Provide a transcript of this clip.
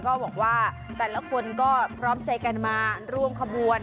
ก็บอกว่าแต่ละคนก็พร้อมใจกันมาร่วมขบวน